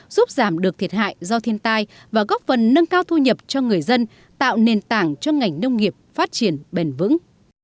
giúp giảm được thiệt hại do thiên tai và góp phần nâng cao thu nhập cho người dân tạo nền tảng cho ngành nông nghiệp phát triển bền vững